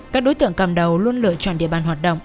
các đối tượng cầm đầu luôn lựa chọn địa bàn hoạt động